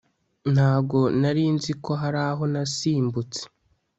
ntago narinziko hari aho nasimbutse